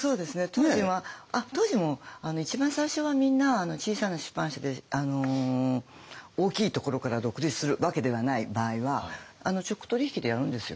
当時はあっ当時も一番最初はみんな小さな出版社で大きいところから独立するわけではない場合は直取引でやるんですよ。